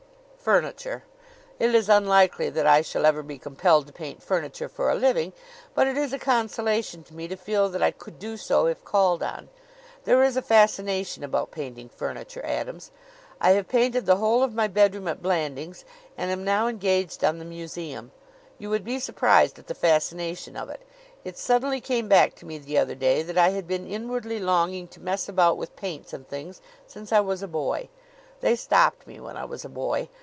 "Furniture. It is unlikely that I shall ever be compelled to paint furniture for a living, but it is a consolation to me to feel that I could do so if called on. There is a fascination about painting furniture, Adams. I have painted the whole of my bedroom at Blandings and am now engaged on the museum. You would be surprised at the fascination of it. It suddenly came back to me the other day that I had been inwardly longing to mess about with paints and things since I was a boy. They stopped me when I was a boy.